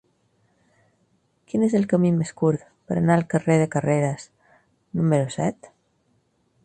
Quin és el camí més curt per anar al carrer de Carreras número set?